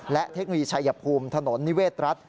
และเทคโนโลยีชัยภูมิถนนนิเวศรัฐ